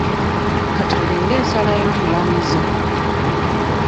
Ka tulinde ensala y'omulamuzi.